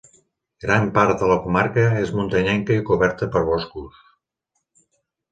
Gran part de la comarca és muntanyenca i coberta per boscos.